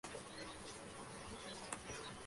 Se suele servir frío.